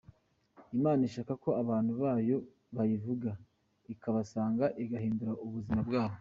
Imana ishaka ko abantu bayo bayivuga ikabasanga igahindura ubuzima bwabo.